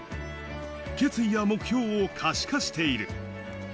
決意や目標を可視化している。